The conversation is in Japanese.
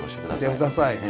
してくださいね。